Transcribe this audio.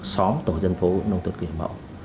xóm tổ dân phố nông thôn kiểu mẫu